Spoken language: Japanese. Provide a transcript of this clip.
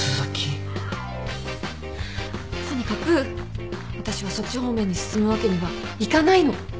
とにかく私はそっち方面に進むわけにはいかないの。